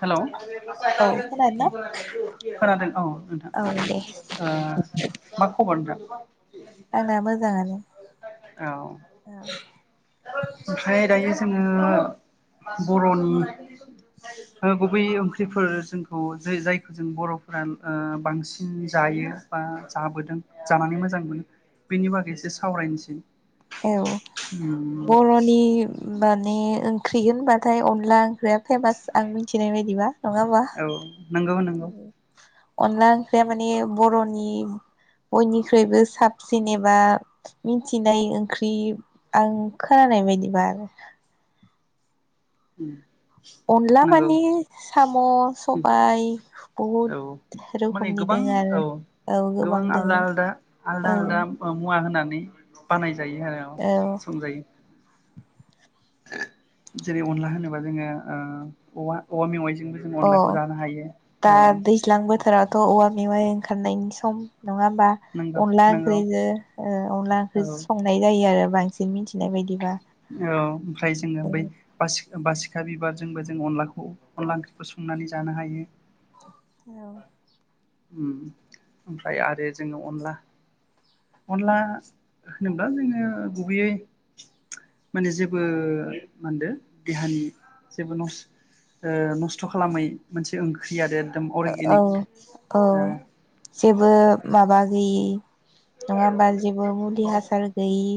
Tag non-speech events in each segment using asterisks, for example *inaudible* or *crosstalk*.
Hello. औ खोनादोंना खोनादों औ। नोंथां औ दे ओ मा खबर नोंथां? आंना मोजाङानो औ औ ओमफ्राय दायो जोङो बर'नि गुबै ओंख्रिफोर जोंखौ जे जायखौ जों बर'फोरा बांसिन जायो बा जाबोदों। जानानै मोजां मोनो बेनि बागै एसे सावरायनोसै। औ उम बर'नि माने ओंख्रि होनबाथाय अनला ओंख्रिया फेमास आं मिथिनाय बायदिबा। नङाबा औ नंगौ नंगौ। अनला ओंख्रिया माने बर'नि बयनिख्रुइबो साबसिन एबा मिथिनाय ओंख्रि आं खोनानाय बायदिबा। उम। अनला नंगौ माने उम साम' सबाय औ बहुद माने रोखोमनि गोबां दङ औ आरो औ गोबां दङ औ‌। बानाय जायो आरो संजायो‌। जेरै अनला होनोबा जोङो औ औवा मेवाइजों अ दा दैज्लां बोथोरावथ' औवा मेवाइ ओंखारनायनि सम। नङा होमबा नंगौ अनला नंगौ ओंख्रिजो अनला औ ओंख्रिजो संनाय जायो आरो बां *unintelligible* औ ओमफ्राय जोङो बै बासि बासिखा बिबार जोंबो जों अनलाखौ अनला ओंख्रिखौ संनानै जानो हायो। औ। ओम ओमफ्राय आरो जोङो अनला अनला होनोब्ला जोङो गुबैयै माने जेबो मा होनदो देहानि जेबो नस्थ नस्थ' खालामै मोनसे ओंख्रि आरो। एकदम औ अर्गेनिक। औ ओ जेबो माबा गैयि। *inaudible* नङा होमबा जेबो मुलि हासार गैयि।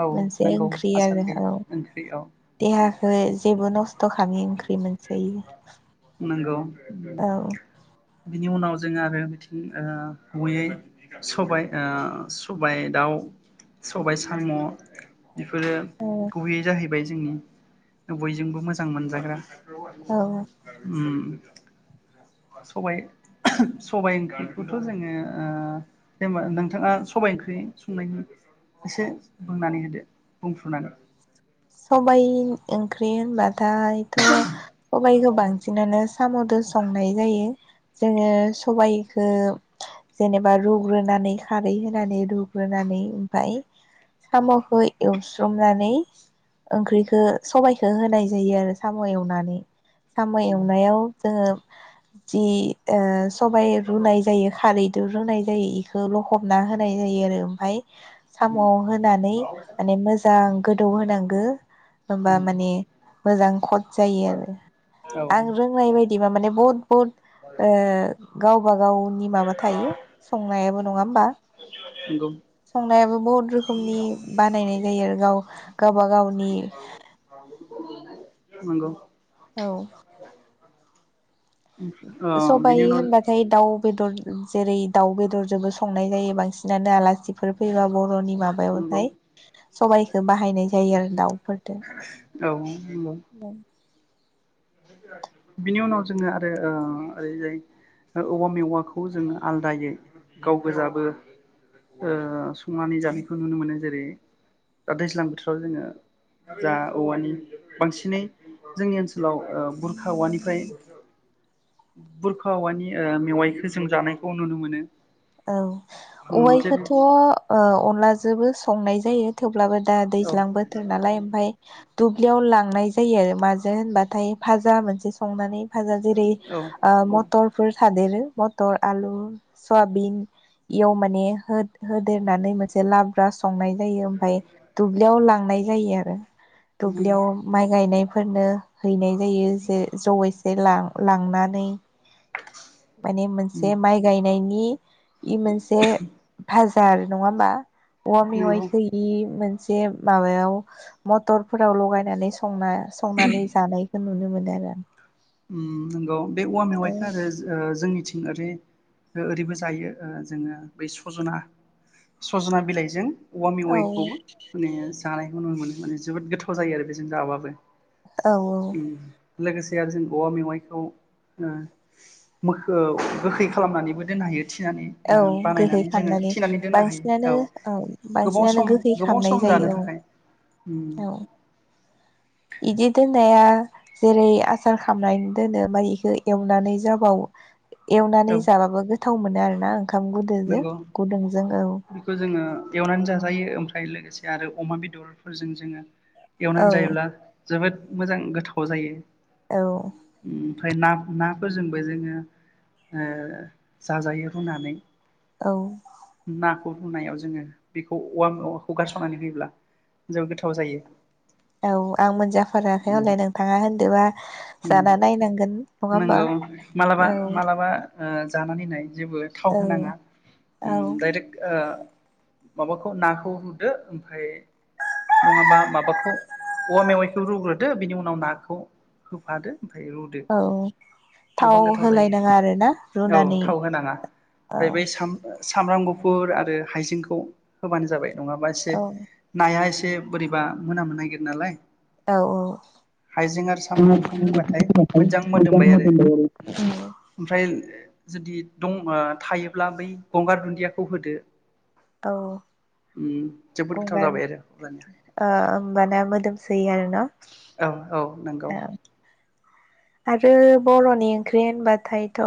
औ मोनसे नंगौ ओंख्रि हासार आरो गैयै औ ओंख्रि औ देहाखौ जेबो नस्थ' खालामै ओंख्रि मोनसे इयो। औ बिनि उनाव जोंहा आरो बिथिं ओ गयै बिदिनो सबाय दाउ सबाय साम'। साम' बेफोरो औ गुबैयै जाहैबाय जोंनि बयजोंबो मोजां मोनजाग्रा। औ उम सबाय सबाय ओंख्रिखौथ' जोङो ओ जेनबा नोंथाङा सबाय ओंख्रि संनायखौ एसे बुंनानै होदो बुंफ्रुनानै। सबाय ओंख्रि होनबाथा थाय थ' सबाइखौ बांसिनानो साम'दो संनाय जायो। जोङो सबाइखो जेनेबा रुग्रोनानै खारै होनानै रुग्रोनानै ओमफ्राय साम'खौ एवस्रोमनानै ओंख्रिखो सबाइखो होनाय जायो आरो साम' एवनानै साम' एवनायाव जोङो जि सबाइ रुनाय जायो खारैदो रुनाय जायो बेखौ लखबना होनाय जायो आरो ओमफ्राय साम'आव होना होननानै माने मोजां गोदौ होनांगो। होनबा माने मोजां कथ जायो आरो औ आं रोंनाय बायदिबा माने बहुद बहुद ओ गावबा गावनि माबा थायो संनायाबो नङा होमबा। नंगौ। संनायाबो बहुद रोखनि बानायनाय जायो आरो गाव गाबा गाव। नि नंगौ औ। अ *inaudible* बिनि सबाय उनाव होनबाथाय दाउ बेदर जेरै दाउ बेदरजोंबो संनाय जायो बांसिनानो आलासिफोर फैयोबा बर'नि माब्लाबा। नंगौ यथाय *unintelligible* सबाइखौ बाहायनाय जायो आरो दाउ बेदरफोरजों। औ। बिनि उनाव जोङो आरो ओरैजाय औवा मेवाखौ जोङो आलदायै गाव गोजाबो ओ संनानै जानायखौ नुनो मोनो जेरै दा दैज्लां बोथोराव जोङो जा औवानि बांसिनै जोंनि ओनसोलाव ओ बुरखा औवानिफ्राय बुरखा औवानि मेवाइखौ जों जानायखौ नुनो मोनो। औ उम औवाइथ जेरै अनलाजों- जोंबो संनाय जायो थेवब्लाबो दा औ दैज्लां बोथोर नालाय ओमफ्राय दुब्लियाव लांनाय जायो आरो माजों होनबाथाय भाहाजा मोनसे संनानै हेफाजाबाव जेरै औ औ मथरफोर थादेरो मटर आलु सवाबिन। बि बियाव माने हो *unintelligible* होदेरनानै मोनसे लाब्रा संनाय जायो ओमफ्राय दुब्लियाव लांनाय जायो। जायो आरो नंगौ दुब्लियाव माइ गायनायफोरनो हैनाय जायो जे जयै जेला लांनानै। माने उम मोनसे माइ गायनायनि नि इ मोनसे भा आरो नङा होमबा औवा मेवाइ नंगौ सोयि से माबायाव मथरफोराव लाय नानै संना संनानै जानायखौ नुनो मोनो। या उम नंगौ बे औवा मेवाइखौ आरो ओ जोंनिथिं ओरै ओरैबो जायो जोङो बै सजना सजना बिलाइजों औवा औ मेवाइखौबो ओरैनो जानाय नुनो मोनो माने जोबोद गोथाव जायो आरो बेजों जाबाबो औ औ। उम लोगोसे आरो औवा मेवाइखौ ओ मोखो गोखै खालामनानैबो दोननो हायो थिनानै औ ओ गोखै बानायनानै जोङो खालामनानै थिनानै दोननो हायो बांसिनानो औ गोबाव बांसिनानो सम गोखै गोबाव खालामनाय सम जानो जायो औ थाखाय। बिदि दोननाया जेरै आसार खामनानै दोनो ओमफाय इखौ एवनानै जाबावो एवनानै औ जालाबो गोथो गोथाव मोनो आरोना आं। ओंखाम गुदोजों नंगौ गुदुंजों औ बेखौ जोङो एवनानै जाजायो ओमफ्राय लोगोसे आरो अमा बेदरफोरजों जोङो एवनानै जायोब्ला औ जोबोद मोजां गोथाव जायो। औ उम ओमफाय ना-नाफोरजोंबो जोङो ओ जाजायो रुनानै। औ खौ रुनायाव जोङो बेखौ औवा मेवाखौ गारसननानै होयोब्ला जोबोद गोथाव जायो। औ आं मोनजाफाराखै उम हले नोंथाङा होनदोबा उम जाना नायनांगोन नङा होमबा नंगौ मालाबा औ। मालाबा ओ जानानै नाय जेबो थाव औ होनाङा औ उम दायरेक ओ माबाखौ नाखौ रुदो ओमफ्राय नङाबा माबाखौ औवा मेवाइखौ रुग्रोदो बेनि उनाव नाखौ होफादो। ओमफ्राय रुदो औ गोबां थाव गोथाव जायो होलायनाङा आरो ना औ रुनानै थाव होनाङा औ ओमफ्राय बै साम साम सामब्राम गुफुर आरो हाइजेंखौ होबानो जाबाय। नङाबा इसे औ नाया एसे से बोरैबा मोनामनो नागिरो नालाय औ हाइजें आरो औ सामब्राम गुफुरखौ होबाथाय *unintelligible* मोदोमबाय मोजां आरो मोदोमबाय ओमफ्राय आरो। जुदि दं ओ थायो ब्ला बै गंगार दुन्दियाखौ होदो औ जोबोद गोथाव गंगार जाबाय आरो अब्लानिया ओ ओमबाना मोदोमसै आरो ना औ औ नोंगौ। आरो बर'नि ओंख्रि होनबाथायथ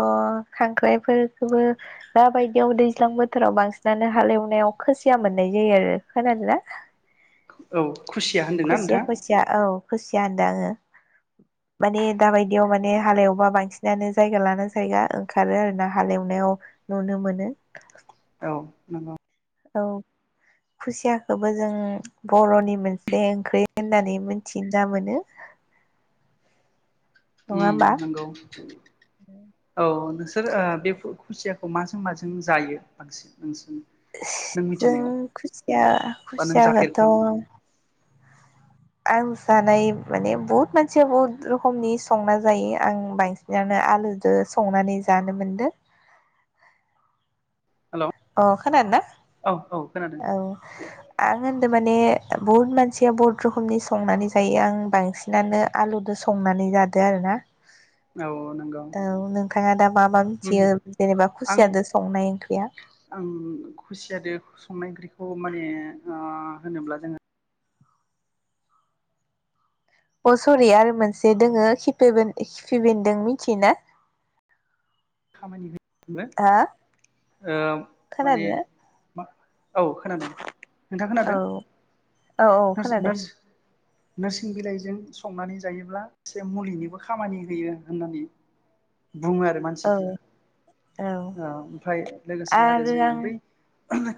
खांख्राइफोरखौबो दाबायदियाव दैज्लां बोथोराव बांसिनानो हालेवनायाव खोसिया मोननाय जायो आरो खोनादोना? औ खुसिया होनदोंना नोंथांआ औ खुसिया होनदो आङो माने दाबायदियाव माने हालेवबा बांसिनानो जायगा लाना जायगा ओंखारो आरो ना हालेवनायाव नुनो मोनो। औ नोंगौ। औ खुसियाखौबो जों बर'नि मोनसे ओंख्रै होननानै मोनथिना मोनो। नङा उम होमबा नोंगौ औ नोंसोर ओ बे खुसियाखौ माजों माजों जायो बांसिन नोंसोरनि जों खुसिया बा नों खुसियखोथ जाफेरखो आं जानाय माने बहुद मानसिया बहुद रखोमनि संना जायो आं बांसिनानो आलुजो संनानै जानो मोनदो। हेल' अ खोनादो ना औ औ खोनादों औ दे आं होनदो माने बहुद मानसिया बहुद रखोमनि संनानै जायो आं बांसिनानो आलुदो संनानै जादो आरोना औ नोंगौ थाङा दा मा मा मिथियो जेनेबा आं खुसियादो संनाय ओंख्रिया आं खुसियादो संनाय ओंख्रिखौ माने ओ होनोब्ला जोङो अ सरि आरो मोनसे दोङो खिपिबेन खिफिबेनदों मिथियो ना खामानि *unintelligible* ओ माने खोनादों *unintelligible* औ खोनादों नोंथाङा खोनादों औ औ औ ना खोनादों नार्स नोरसिं बिलाइजों संनानै जायोब्ला इसे मुलिनिबो खामानि होयो होननानै बुङो आरो मानसि ओ औ औ ओमफ्राय लोगोसे आरो जोङो बै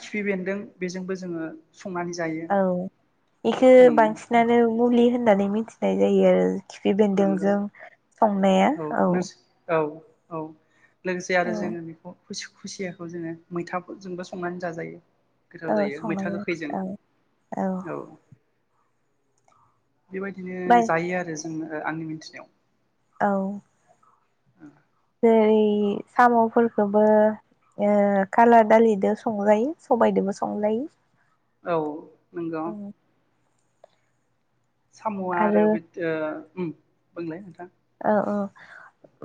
खिफि बेन्दों बेजोंबो जोङो संनानै जायो औ बेखो उम बांसिनानो मुलि होन होननानै मिथिनाय जायो आरो खिफि नंगौ बेन्दोंजों संनाया औ नोरसिं औ औ लोगोसे आरो औ जोङो बेखौ खु खुसियाखौ जोङो मैथाफोरजोंबो संनानै जाजायो गोथाव औ जायो मैथा संनाय गोखैजों जायो औ औ बेबायदिनो बाय जायो आरो जो ओ आंनि मिथिनायाव औ उम ओेरै सामफोरखोबो ओ खाला दालिदो संजायो सबायदोंबो संजायो औ नंगौ सामआ आरो बिद ओ उम बुंलाय नोंथां ओ औ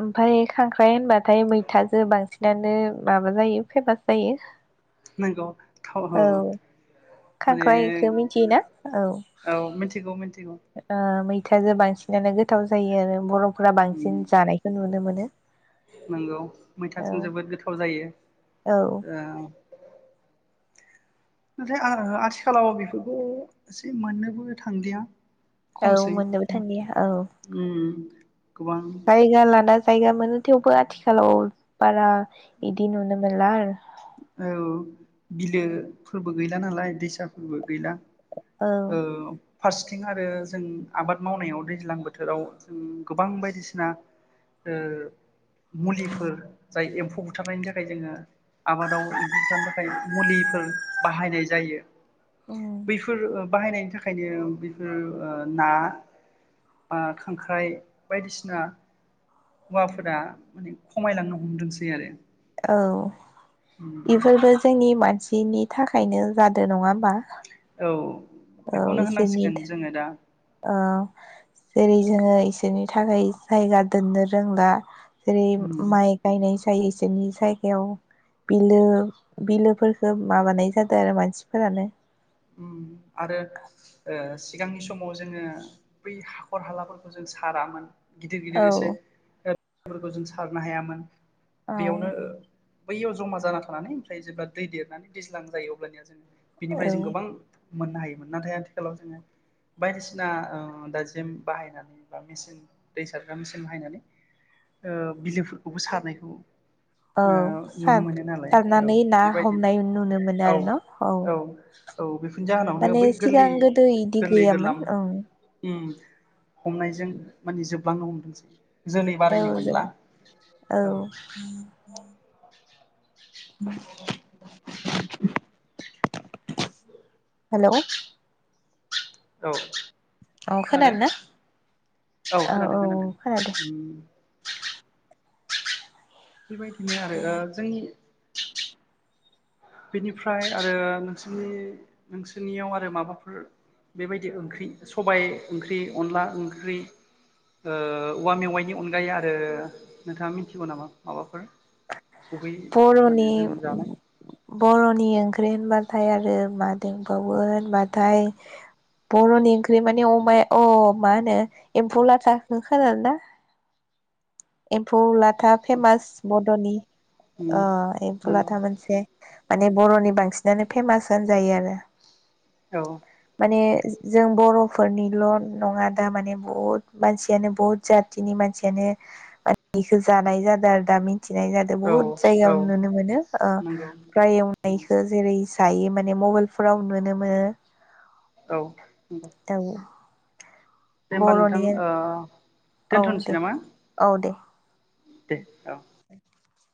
ओमफ्राय खांख्राइ होनबाथाय मैथाजों बांसिनानो माबा जायो फेमास जायो। नंगौ थाव हो खांख्रायखौ मिथियो ना औ औ मिथिगौ मिथिगौ औ। मैथाजों बांसिनानो गोथाव जायो आरो बर' फ्रा उम बांसिन जानायखौ नुनो मोन नो नंगौ मैथाथिम जोबोद गोथाव जायो। औ ओमफ्राय आ-आथिखालाव बेफोरखौ एसे मोननोबो थांलिया औ खमसै मोननोबो थांलिया औ उम गोबां जायगा लाना जा जायगा मोनो थेवबो आथिखालाव बारा इदिनो नुनो मोनला आरो औ बिलोफोरबो गैला नालाय दैसाफोरबो गैला। औ फार्स्टथिं आरो जों आबाद मावनायाव दैज्लां बोथोराव जों गोबां बायदिसिना ओ मुलिफोर जाय एम्फौ बुथारनायनि थाखाय जोङो आबादाव एम्फौ बुथारनो थाखाय मुलिफोर बाहायनाय जायो। बैफोर ओ बाहायनायनि थाखायनो बेफोर ओ ना बा खांख्राइ बायदिसिना हौवाफोरा माने खमायलांनो हमदोंसै आरो। औ उम इफोरबो जोंनि मान सिनि थाखायनो जादो नङा होमबा। औ औ बेखौनो इसोरनि होननांसिगोन जोङो दा औ जेरै जोङो इसोरनि थाखाय जायगा दोननो रोंला। जेरै उम माइ गायनाय सु जायो इसोरनि जायगायाव बिलो बिलोफोरखौ माबानाय जादों आरो मानसिफोरानो आरो ओ सिगांनि समाव जोङो बै हाखर हालाफोरखौ जों सारामोन गिदिर औ गिदिर एसे फोरखौ जों सारनो हायामोन। औ बेयावनो बैयाव जमा जाना थानानै ओमफ्राय जेब्ला दै देरनानै दैज्लां जायो अब्लानिया जोङो औ बिनिफ्राय जों गो मोननो हायोमोन नाथाय आथिखालाव जोङो बायदिसिना ओ दाजेम बाहायनानै बा मेचन दै सारग्रा मेसिन बाहायनानै ओ बिलोफोरखौबो सारनायखौ औ ओ नुनो मोनो नालाय औ सार-सारनानै ना बेबायदिनो हमनाय नुनो मोनो औ आरो न औ। औ बेफोरनि जाहोनावनो माने बै सिगां गोरलै गोदो इदि गोरलै गैयामोन गोरलाम ओं ओम हमनायजों माने जोब। बांनो हमदोंसै। जोलै बारायनो औ मोनला *unintelligible* औ। *inaudible* हेलौ। औ औ खोनादों ना औ खोनादों खोनादों उम। बेबायदिनो आरो ओ जोंनि। बेनिफ्राय आरो नोंसोरनि नोंसोरनियाव आरो माबाफोर बेबायदि ओंख्रि सबाय ओंख्रि अनला ओंख्रि ओ औवा मेवाइनि अनगायै आरो नोंथाङा मिथिगौ नामा माबाफोर। गुबैयै माने बर'नि जों जानाय। बर'नि ओंख्रि होनबाथाय आरो मा दोंबावो होनबाथाय बर'नि ओंख्रि माने अमाया अह मा होनो एम्फौ लाथाखो खोनादोना। एम्फौ लाथा फेमास बड'नि। अह एम्फौ नंगौ लाथा मोनसे। माने बर'नि बांसिनानो फेमास होनजायो आरो। औ माने जों बर' फोरनिल नङा दा माने बहुत मानसियानो बहुत जातिनि मानसियानो। बेखो जानाय जादो आरो दामि। थिनाय जादों औ बुहुत औ जायगायाव नुनो मोनो ओ नंगौ फ्राय एवनायखो जेरै दायो माने मबाइलफोराव नुनो मोनो। औ नंगौ दाउ। दे होमबा नोंथां ओ औ दोनथनोसै दे नामा? औ दे। दे औ। *inaudible*